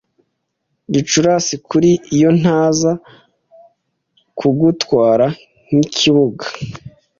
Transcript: Gicurasi Kuri! Iyo ntaza kugutwara nk'ikibuga